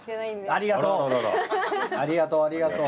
ありがとう。